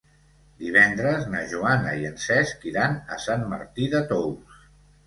Divendres na Joana i en Cesc iran a Sant Martí de Tous.